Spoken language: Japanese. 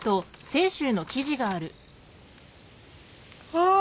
ああ！